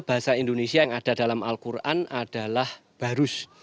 bahasa indonesia yang ada dalam al quran adalah barus